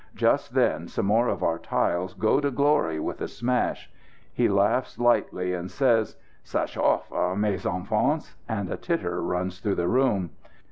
Just then some more of our tiles go to glory with a smash. He laughs lightly, and says: "Ça chauffe, mes enfants," and a titter runs through the room.